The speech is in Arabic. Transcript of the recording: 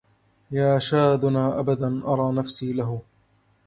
يا شادنا أبدا أرى نفسي له